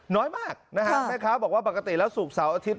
น้อยมากนะฮะแม่ค้าบอกว่าปกติแล้วศุกร์เสาร์อาทิตย